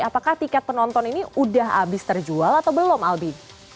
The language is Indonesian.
apakah tiket penonton ini sudah habis terjual atau belum albi